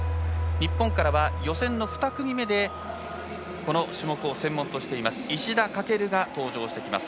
日本からは予選の２組目でこの種目を専門としている石田駆が登場してきます。